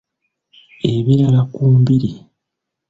Ebirala ku mbiri.